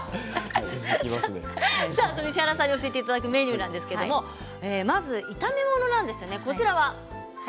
石原さんに教えていただくメニューなんですが炒め物です。